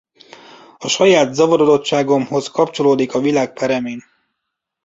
A saját zavarodottságomhoz kapcsolódik a világ peremén.